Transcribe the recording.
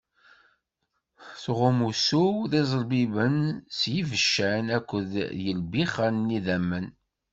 Tɣum usu-w i iẓelbebbin s yibeccan akked yilbixen n yidammen.